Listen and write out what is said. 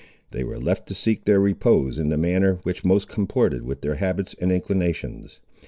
They were left to seek their repose in the manner which most comported with their habits and inclinations.